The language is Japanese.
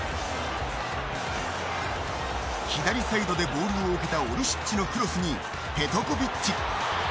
左サイドでボールを受けたオルシッチのボールにペトコヴィッチ！